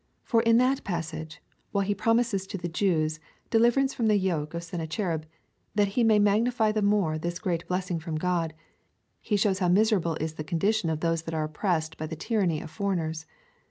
For in that passage, while he promises to the Jews deliverance from the yoke of Senna cherib, that he may magnify the more this great blessing from God, he shows how miserable is the condition of those that are opjjressed by the tyranny of foreigners.